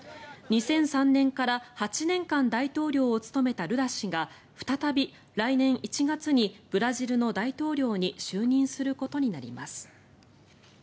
２００３年から８年間大統領を務めたルラ氏が再び来年１月にブラジルの大統領に就任することになります。